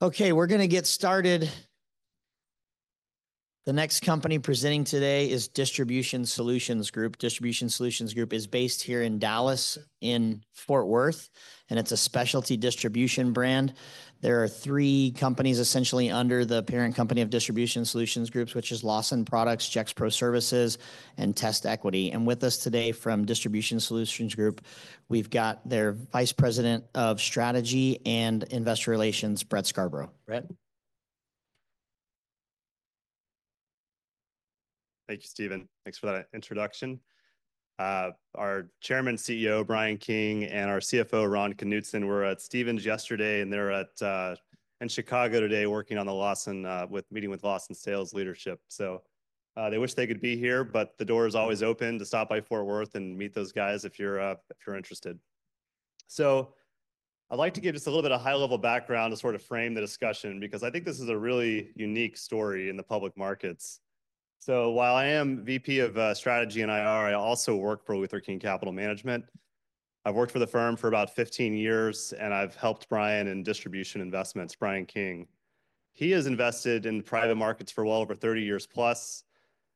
Okay. We're going to get started. The next company presenting today is Distribution Solutions Group. Distribution Solutions Group is based here in Dallas in Fort Worth, and it's a specialty distribution brand. There are three companies essentially under the parent company of Distribution Solutions Group, which are Lawson Products, Gexpro Services, and TestEquity. And with us today from Distribution Solutions Group, we've got their Vice President of Strategy and Investor Relations, Brett Scarborough. Brett? Thank you, Steven. Thanks for that introduction. Our Chairman and CEO, Bryan King, and our CFO, Ron Knutson, were at Stephens yesterday, and they're in Chicago today working on the Lawson, meeting with Lawson's sales leadership, so they wish they could be here, but the door is always open to stop by Fort Worth and meet those guys if you're interested. I'd like to give just a little bit of high-level background to sort of frame the discussion because I think this is a really unique story in the public markets. While I am VP of Strategy and IR, I also work for Luther King Capital Management. I've worked for the firm for about 15 years, and I've helped Bryan in distribution investments, Bryan King. He has invested in private markets for well over 30 years plus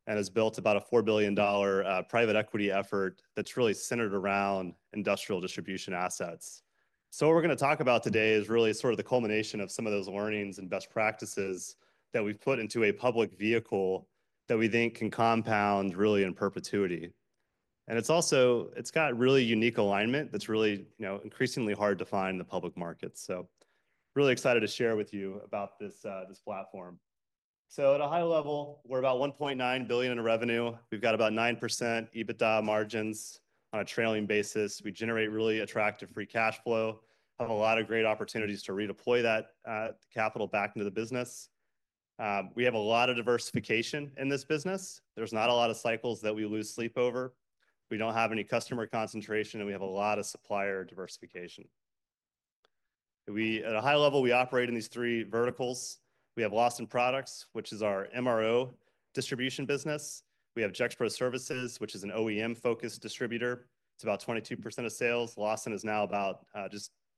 and has built about a $4 billion private equity effort that's really centered around industrial distribution assets. What we're going to talk about today is really sort of the culmination of some of those learnings and best practices that we've put into a public vehicle that we think can compound really in perpetuity. It's got really unique alignment that's really increasingly hard to find in the public markets. We're really excited to share with you about this platform. At a high level, we're about $1.9 billion in revenue. We've got about 9% EBITDA margins on a trailing basis. We generate really attractive free cash flow, have a lot of great opportunities to redeploy that capital back into the business. We have a lot of diversification in this business. There's not a lot of cycles that we lose sleep over. We don't have any customer concentration, and we have a lot of supplier diversification. At a high level, we operate in these three verticals. We have Lawson Products, which is our MRO distribution business. We have Gexpro Services, which is an OEM-focused distributor. It's about 22% of sales. Lawson is now about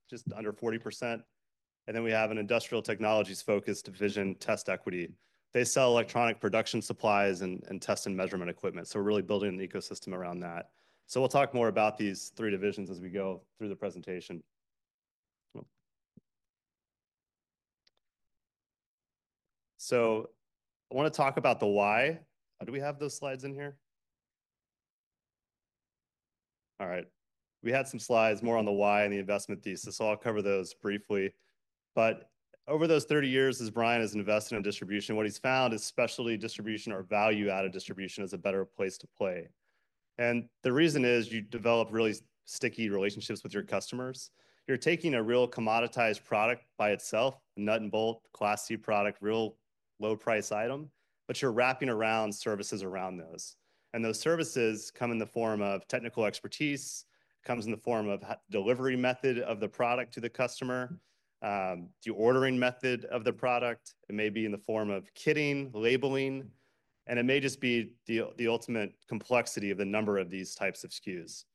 just under 40%. And then we have an industrial technologies-focused division, TestEquity. They sell electronic production supplies and test and measurement equipment. So we're really building an ecosystem around that. So we'll talk more about these three divisions as we go through the presentation. So I want to talk about the why. Do we have those slides in here? All right. We had some slides more on the why and the investment thesis, so I'll cover those briefly. But over those 30 years, as Bryan has invested in distribution, what he's found is specialty distribution or value-added distribution is a better place to play. And the reason is you develop really sticky relationships with your customers. You're taking a real commoditized product by itself, a nut-and-bolt, Class C product, real low-priced item, but you're wrapping around services around those. And those services come in the form of technical expertise, comes in the form of delivery method of the product to the customer, the ordering method of the product. It may be in the form of kitting, labeling, and it may just be the ultimate complexity of the number of these types of SKUs.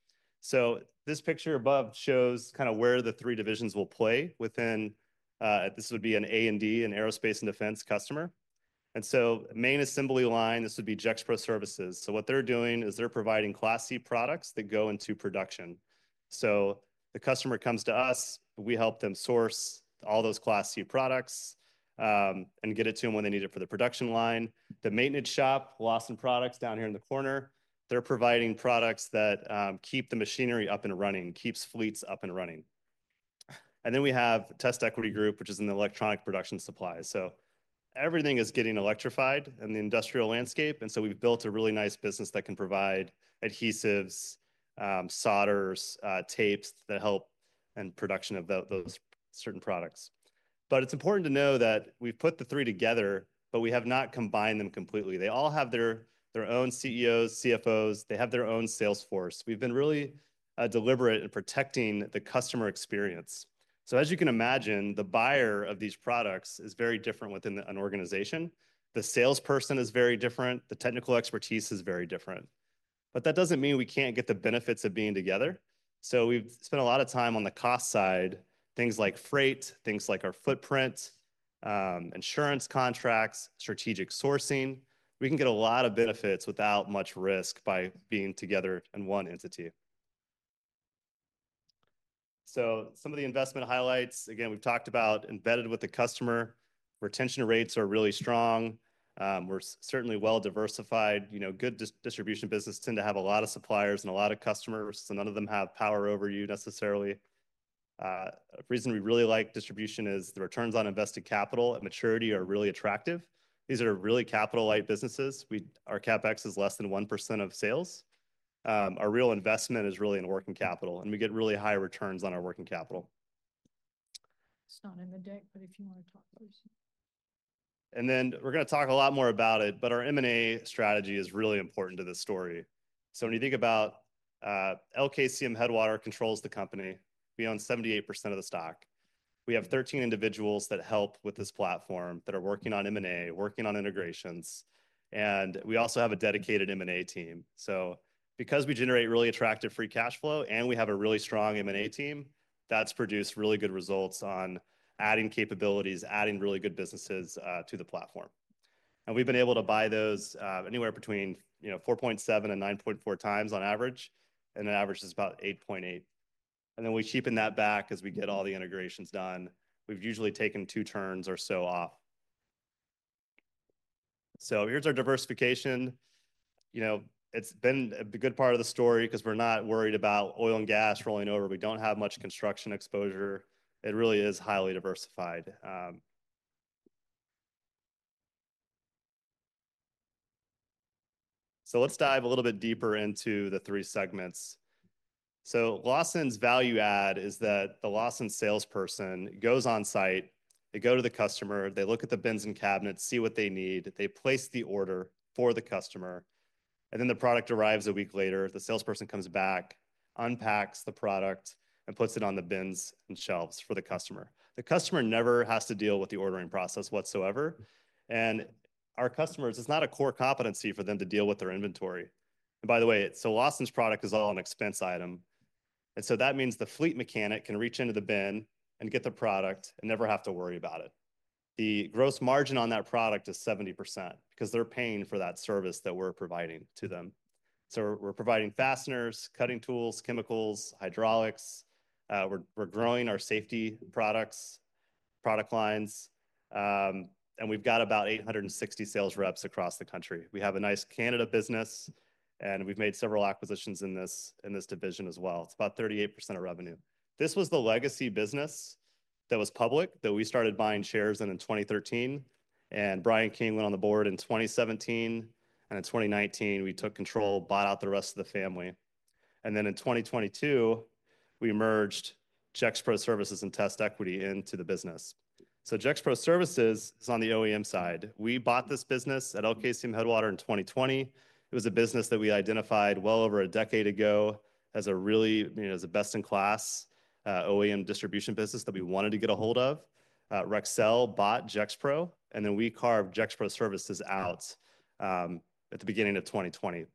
So this picture above shows kind of where the three divisions will play within. This would be an A&D, an aerospace and defense customer. Main assembly line, this would be Gexpro Services. So what they're doing is they're providing class C products that go into production. So the customer comes to us, we help them source all those class C products and get it to them when they need it for the production line. The maintenance shop, Lawson Products down here in the corner, they're providing products that keep the machinery up and running, keeps fleets up and running. And then we have TestEquity Group, which is an electronic production supply. So everything is getting electrified in the industrial landscape. And so we've built a really nice business that can provide adhesives, solders, tapes that help in production of those certain products. But it's important to know that we've put the three together, but we have not combined them completely. They all have their own CEOs, CFOs. They have their own sales force. We've been really deliberate in protecting the customer experience. So as you can imagine, the buyer of these products is very different within an organization. The salesperson is very different. The technical expertise is very different. But that doesn't mean we can't get the benefits of being together. So we've spent a lot of time on the cost side, things like freight, things like our footprint, insurance contracts, strategic sourcing. We can get a lot of benefits without much risk by being together in one entity. So some of the investment highlights, again, we've talked about embedded with the customer. Retention rates are really strong. We're certainly well-diversified. Good distribution businesses tend to have a lot of suppliers and a lot of customers, so none of them have power over you necessarily. The reason we really like distribution is the returns on invested capital and maturity are really attractive. These are really capital-light businesses. Our CapEx is less than 1% of sales. Our real investment is really in working capital, and we get really high returns on our working capital. It's not in the deck, but if you want to talk, please. And then we're going to talk a lot more about it, but our M&A strategy is really important to this story. So when you think about LKCM Headwater controls the company. We own 78% of the stock. We have 13 individuals that help with this platform that are working on M&A, working on integrations. And we also have a dedicated M&A team. So because we generate really attractive free cash flow and we have a really strong M&A team, that's produced really good results on adding capabilities, adding really good businesses to the platform. And we've been able to buy those anywhere between 4.7 and 9.4 times on average, and the average is about 8.8. And then we cheapen that back as we get all the integrations done. We've usually taken two turns or so off. So here's our diversification. It's been a good part of the story because we're not worried about oil and gas rolling over. We don't have much construction exposure. It really is highly diversified. So let's dive a little bit deeper into the three segments. So Lawson's value-add is that the Lawson salesperson goes on site. They go to the customer. They look at the bins and cabinets, see what they need. They place the order for the customer. And then the product arrives a week later. The salesperson comes back, unpacks the product, and puts it on the bins and shelves for the customer. The customer never has to deal with the ordering process whatsoever. And our customers, it's not a core competency for them to deal with their inventory. And by the way, so Lawson's product is all an expense item. And so that means the fleet mechanic can reach into the bin and get the product and never have to worry about it. The gross margin on that product is 70% because they're paying for that service that we're providing to them. So we're providing fasteners, cutting tools, chemicals, hydraulics. We're growing our safety products, product lines. And we've got about 860 sales reps across the country. We have a nice Canada business, and we've made several acquisitions in this division as well. It's about 38% of revenue. This was the legacy business that was public that we started buying shares in in 2013. And Bryan King went on the board in 2017. And in 2019, we took control, bought out the rest of the family. And then in 2022, we merged Gexpro Services and TestEquity into the business. So Gexpro Services is on the OEM side. We bought this business at LKCM Headwater in 2020. It was a business that we identified well over a decade ago as a really, as a best-in-class OEM distribution business that we wanted to get a hold of. Rexel bought Gexpro, and then we carved Gexpro Services out at the beginning of 2020.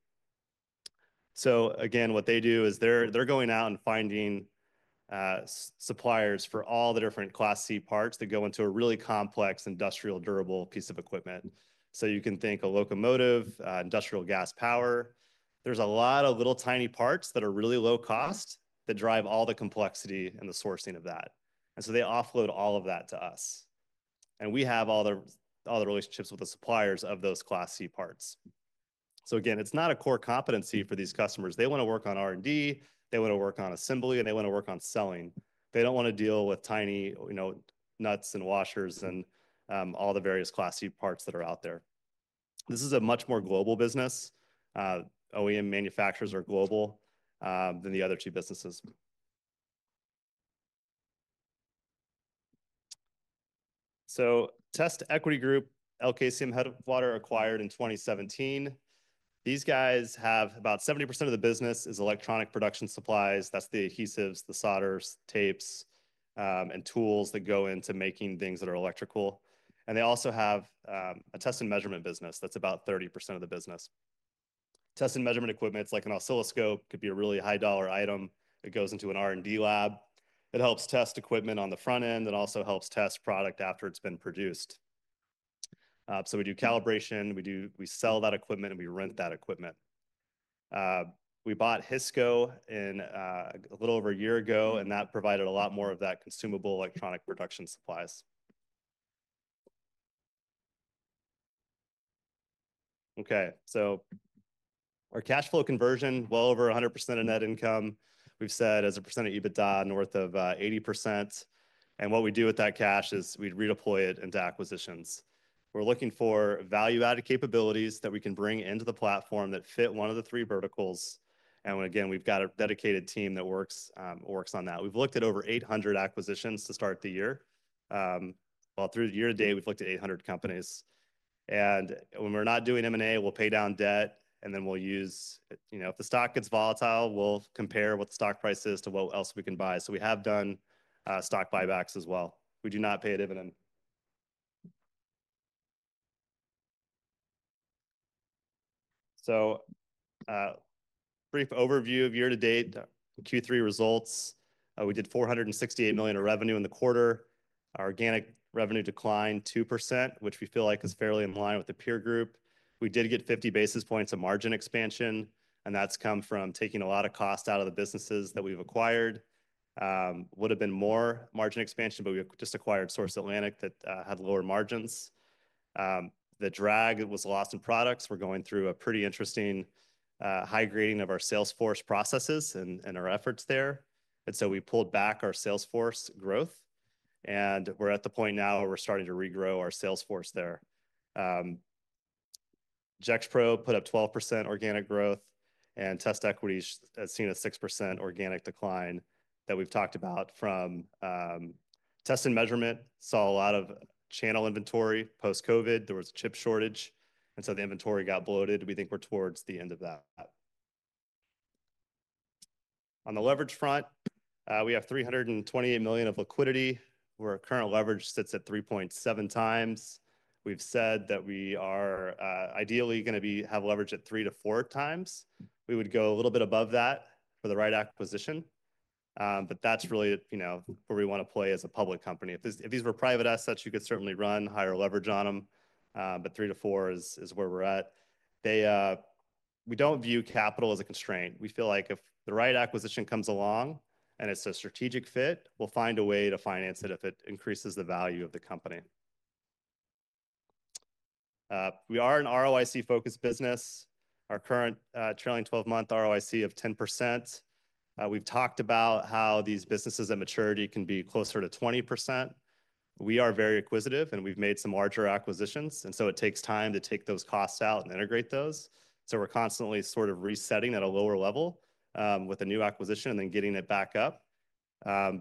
So again, what they do is they're going out and finding suppliers for all the different Class C parts that go into a really complex, industrial, durable piece of equipment. So you can think of locomotive, industrial gas power. There's a lot of little tiny parts that are really low cost that drive all the complexity and the sourcing of that. And so they offload all of that to us. And we have all the relationships with the suppliers of those Class C parts. So again, it's not a core competency for these customers. They want to work on R&D. They want to work on assembly, and they want to work on selling. They don't want to deal with tiny nuts and washers and all the various Class C parts that are out there. This is a much more global business. OEM manufacturers are global than the other two businesses. So TestEquity Group, LKCM Headwater acquired in 2017. These guys have about 70% of the business is electronic production supplies. That's the adhesives, the solders, tapes, and tools that go into making things that are electrical. And they also have a test and measurement business. That's about 30% of the business. Test and measurement equipment, like an oscilloscope, could be a really high-dollar item. It goes into an R&D lab. It helps test equipment on the front end and also helps test product after it's been produced. So we do calibration. We sell that equipment, and we rent that equipment. We bought Hisco a little over a year ago, and that provided a lot more of that consumable electronic production supplies. Okay. So our cash flow conversion, well over 100% of net income, we've said is a % of EBITDA, north of 80%. And what we do with that cash is we redeploy it into acquisitions. We're looking for value-added capabilities that we can bring into the platform that fit one of the three verticals. And again, we've got a dedicated team that works on that. We've looked at over 800 acquisitions to start the year. Well, through the year today, we've looked at 800 companies. And when we're not doing M&A, we'll pay down debt, and then we'll use if the stock gets volatile, we'll compare what the stock price is to what else we can buy. So we have done stock buybacks as well. We do not pay a dividend. So brief overview of year-to-date, Q3 results. We did $468 million in revenue in the quarter. Our organic revenue declined 2%, which we feel like is fairly in line with the peer group. We did get 50 basis points of margin expansion, and that's come from taking a lot of cost out of the businesses that we've acquired. Would have been more margin expansion, but we just acquired Source Atlantic that had lower margins. The drag was Lawson Products. We're going through a pretty interesting high grading of our salesforce processes and our efforts there. And so we pulled back our salesforce growth. And we're at the point now where we're starting to regrow our salesforce there. Gexpro put up 12% organic growth, and TestEquity has seen a 6% organic decline that we've talked about from test and measurement. Saw a lot of channel inventory. Post-COVID, there was a chip shortage, and so the inventory got bloated. We think we're towards the end of that. On the leverage front, we have $328 million of liquidity. Our current leverage sits at 3.7 times. We've said that we are ideally going to have leverage at three to four times. We would go a little bit above that for the right acquisition. But that's really where we want to play as a public company. If these were private assets, you could certainly run higher leverage on them, but three to four is where we're at. We don't view capital as a constraint. We feel like if the right acquisition comes along and it's a strategic fit, we'll find a way to finance it if it increases the value of the company. We are an ROIC-focused business. Our current trailing 12-month ROIC of 10%. We've talked about how these businesses at maturity can be closer to 20%. We are very acquisitive, and we've made some larger acquisitions, and so it takes time to take those costs out and integrate those, so we're constantly sort of resetting at a lower level with a new acquisition and then getting it back up,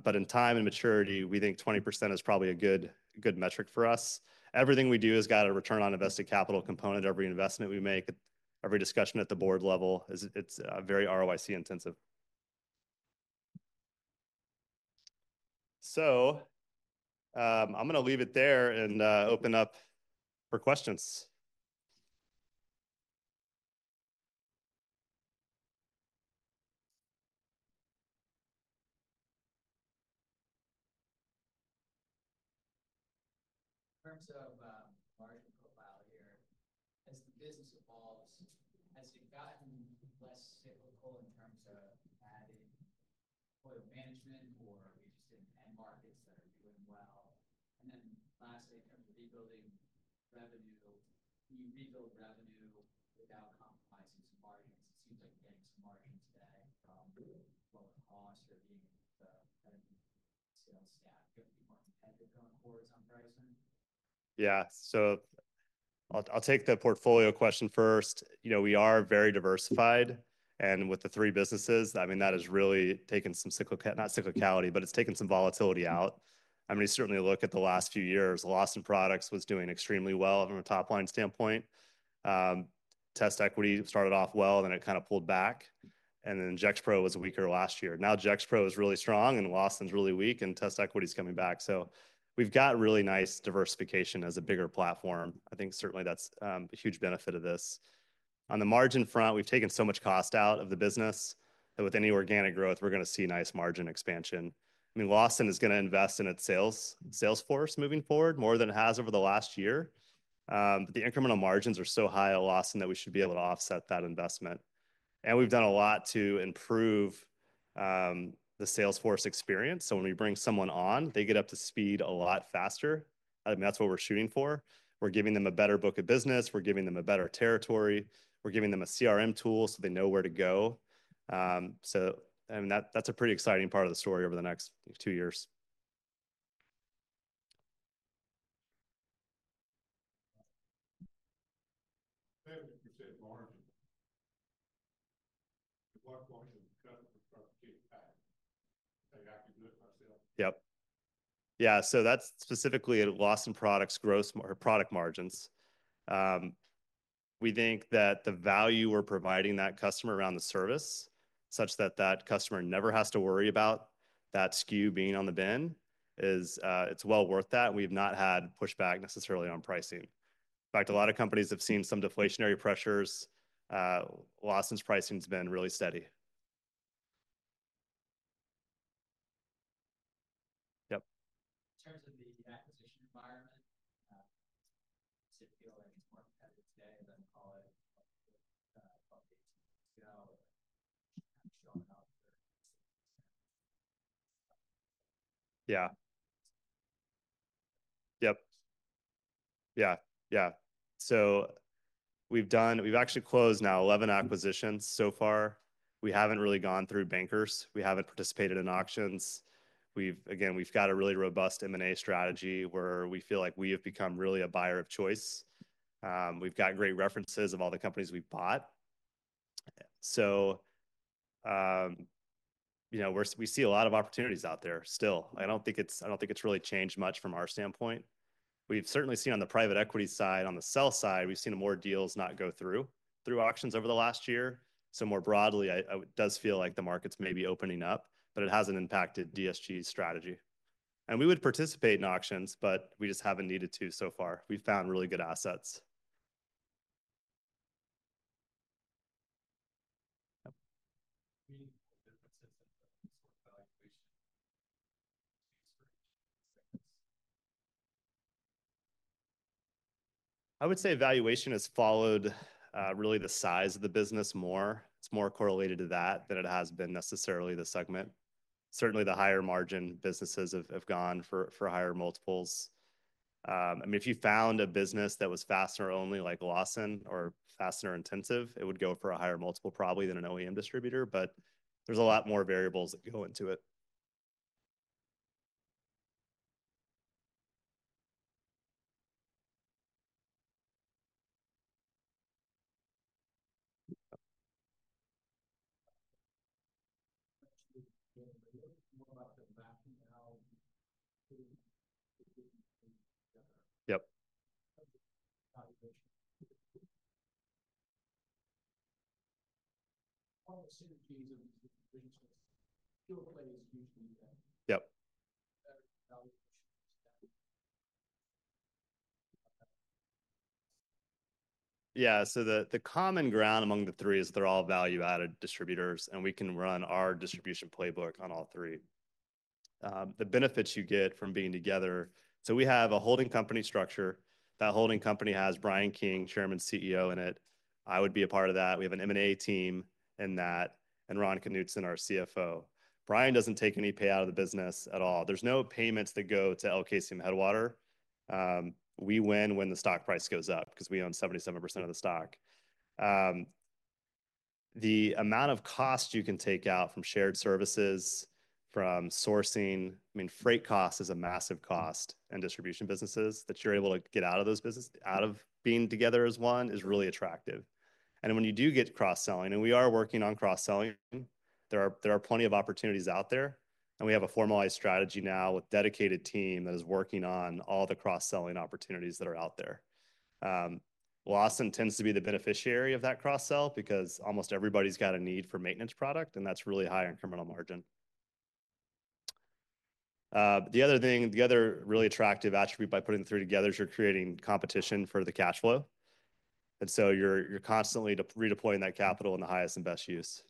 but in time and maturity, we think 20% is probably a good metric for us. Everything we do has got a return on invested capital component. Every investment we make, every discussion at the board level, it's very ROIC-intensive, so I'm going to leave it there and open up for questions. In terms of margin profile here, as the business evolves, has it gotten less cyclical in terms of adding OEM management, or are we just in end markets that are doing well, and then lastly, in terms of rebuilding revenue, can you rebuild revenue without compromising some margins? It seems like you're getting some margin today from lower cost or being the sales staff, you have to be more competitive going forward on pricing? Yeah. So I'll take the portfolio question first. We are very diversified. And with the three businesses, I mean, that has really taken some cyclicality, not cyclicality, but it's taken some volatility out. I mean, we certainly look at the last few years. Lawson Products was doing extremely well from a top-line standpoint. TestEquity started off well, and then it kind of pulled back. And then Gexpro was weaker last year. Now Gexpro is really strong, and Lawson's really weak, and TestEquity's coming back. So we've got really nice diversification as a bigger platform. I think certainly that's a huge benefit of this. On the margin front, we've taken so much cost out of the business that with any organic growth, we're going to see nice margin expansion. I mean, Lawson is going to invest in its salesforce moving forward more than it has over the last year. But the incremental margins are so high at Lawson that we should be able to offset that investment. And we've done a lot to improve the salesforce experience. So when we bring someone on, they get up to speed a lot faster. I mean, that's what we're shooting for. We're giving them a better book of business. We're giving them a better territory. We're giving them a CRM tool so they know where to go. So I mean, that's a pretty exciting part of the story over the next two years. I appreciate the margin. Yep. Yeah. So that's specifically at Lawson Products' growth or product margins. We think that the value we're providing that customer around the service, such that that customer never has to worry about that SKU being on the bin, is well worth that. We've not had pushback necessarily on pricing. In fact, a lot of companies have seen some deflationary pressures. Lawson's pricing has been really steady. Yep. In terms of the acquisition environment, does it feel like it's more competitive today than 18 years ago? Yeah. So we've actually closed now 11 acquisitions so far. We haven't really gone through bankers. We haven't participated in auctions. Again, we've got a really robust M&A strategy where we feel like we have become really a buyer of choice. We've got great references of all the companies we've bought. So we see a lot of opportunities out there still. I don't think it's really changed much from our standpoint. We've certainly seen on the private equity side, on the sell side, we've seen more deals not go through auctions over the last year. So more broadly, it does feel like the market's maybe opening up, but it hasn't impacted DSG's strategy. And we would participate in auctions, but we just haven't needed to so far. We've found really good assets. I would say valuation has followed really the size of the business more. It's more correlated to that than it has been necessarily the segment. Certainly, the higher margin businesses have gone for higher multiples. I mean, if you found a business that was fastener-only like Lawson or fastener-intensive, it would go for a higher multiple probably than an OEM distributor, but there's a lot more variables that go into it. Yeah. So the common ground among the three is they're all value-added distributors, and we can run our distribution playbook on all three. The benefits you get from being together. So we have a holding company structure. That holding company has Bryan King, Chairman, CEO in it. I would be a part of that. We have an M&A team in that, and Ron Knutson, our CFO. Bryan doesn't take any payout of the business at all. There's no payments that go to LKCM Headwater. We win when the stock price goes up because we own 77% of the stock. The amount of cost you can take out from shared services, from sourcing, I mean, freight cost is a massive cost in distribution businesses that you're able to get out of those businesses, out of being together as one is really attractive, and when you do get cross-selling, and we are working on cross-selling, there are plenty of opportunities out there, and we have a formalized strategy now with a dedicated team that is working on all the cross-selling opportunities that are out there. Lawson tends to be the beneficiary of that cross-sell because almost everybody's got a need for maintenance product, and that's really high incremental margin. The other really attractive attribute by putting the three together is you're creating competition for the cash flow. And so you're constantly redeploying that capital in the highest and best use.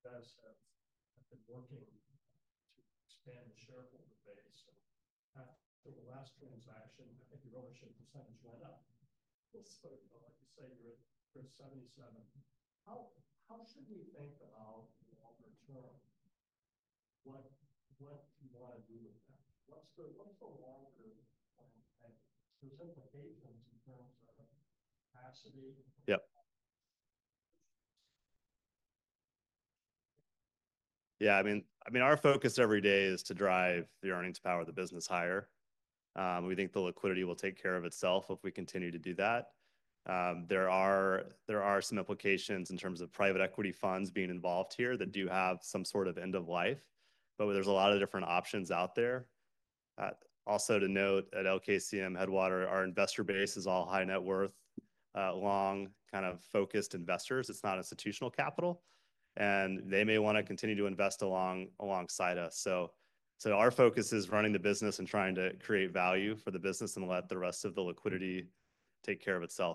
Guys, I've been working to expand the shareholder base. After the last transaction, I think your ownership percentage went up. So like you said, you're at 77%. How should we think about the longer term? What do you want to do with that? What's the longer plan ahead? Those implications in terms of capacity. Yeah. Yeah. I mean, our focus every day is to drive the earnings power of the business higher. We think the liquidity will take care of itself if we continue to do that. There are some implications in terms of private equity funds being involved here that do have some sort of end of life, but there's a lot of different options out there. Also to note, at LKCM Headwater, our investor base is all high net worth, long, kind of focused investors. It's not institutional capital, and they may want to continue to invest alongside us, so our focus is running the business and trying to create value for the business and let the rest of the liquidity take care of itself.